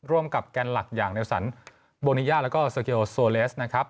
กับแกนหลักอย่างเนลสันโบนิยาแล้วก็โซเกลโซเลสนะครับ